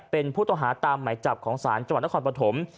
เป็นผู้ต้องหาตามหมายจับของศาลจังหวัดนครปฐม